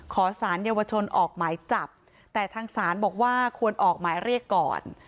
ขอสารเยาวชนออกหมายจับแต่ทางศาลบอกว่าควรออกหมายเรียกก่อน